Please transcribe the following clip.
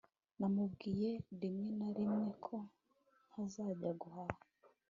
namubwiye rimwe na rimwe ko ntazajya guhaha